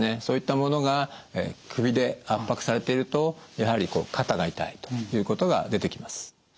そういったものが首で圧迫されているとやはり肩が痛いということが出てきます。